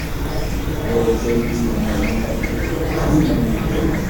D argaz i d-yebnan iman-is s yiman-is.